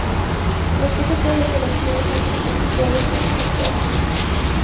Los pocos pueblos de las tierras altas están situados junto a terrenos de siembra.